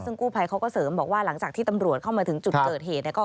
ซึ่งกู้ภัยเขาก็เสริมบอกว่าหลังจากที่ตำรวจเข้ามาถึงจุดเกิดเหตุ